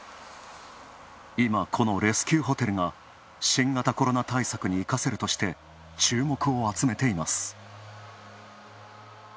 今、このレスキューホテルが新型コロナ対策に生かせるとして注目を集めています。